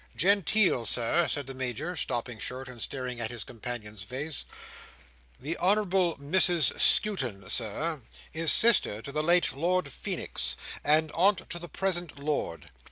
"Genteel, Sir," said the Major, stopping short, and staring in his companion's face. "The Honourable Mrs Skewton, Sir, is sister to the late Lord Feenix, and aunt to the present Lord.